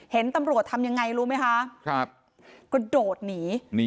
เห็นตำรวจทำยังไงรู้ไหมคะกระโดดหนี